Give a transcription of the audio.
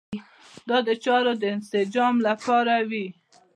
دا د چارو د انسجام لپاره وي.